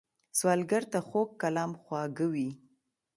سوالګر ته خوږ کلام خواږه وي